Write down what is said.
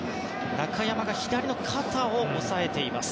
中山が左の肩を押さえています。